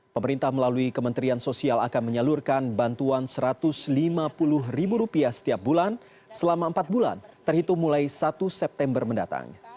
pemerintah melalui kementerian sosial akan menyalurkan bantuan rp satu ratus lima puluh setiap bulan selama empat bulan terhitung mulai satu september mendatang